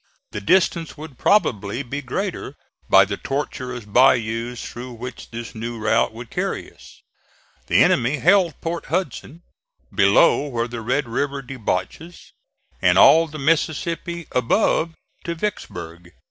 The distance would probably be greater by the tortuous bayous through which this new route would carry us. The enemy held Port Hudson, below where the Red River debouches, and all the Mississippi above to Vicksburg.